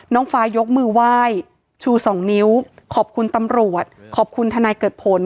น้องฟ้ายกมือไหว้ชูสองนิ้วขอบคุณตำรวจขอบคุณทนายเกิดผล